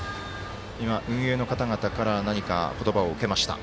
今、運営の方々から何か言葉を受けました。